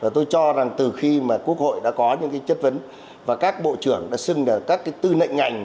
tôi cho rằng từ khi quốc hội đã có những phiên chất vấn và các bộ trưởng đã xưng các tư nệnh ngành